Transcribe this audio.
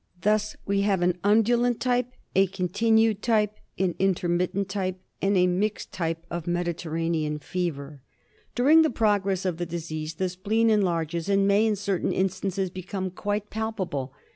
Thus we have an undulant type, a continued type, an intermittent type, and a mixed type of Mediterranean fever. 170 DIAGNOSIS OF During the progress of the disease the spleen en larges, and may in certain instances become quite palpable.